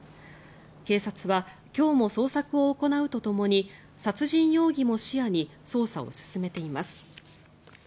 警察は今日も捜索を行うとともに殺人容疑も視野に捜査を進めています。